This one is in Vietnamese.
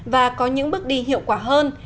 và có những bước đi hiệu quả hơn